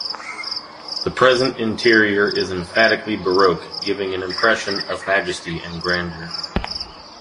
The present interior is emphatically Baroque, giving an impression of majesty and grandeur.